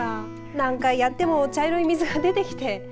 何回やっても茶色い水が出てきて。